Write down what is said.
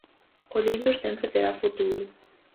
O libro sempre terá futuro.